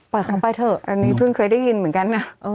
ปล่อยเข้าไปเถอะอันนี้เพิ่งเคยได้ยินเหมือนกันน่ะ